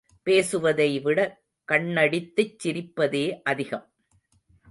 பேசுவதைவிட கண்ணடித்துச் சிரிப்பதே அதிகம்.